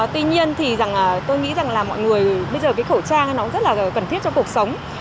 tuy nhiên thì tôi nghĩ rằng là mọi người bây giờ cái khẩu trang nó rất là cần thiết cho cuộc sống